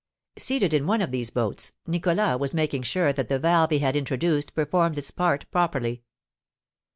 Seated in one of these boats, Nicholas was making sure that the valve he had introduced performed its part properly.